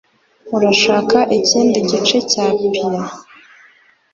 Urashaka ikindi gice cya pie?